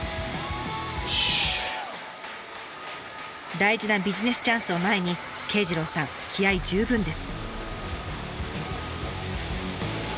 大事なビジネスチャンスを前に圭次郎さん気合い十分です。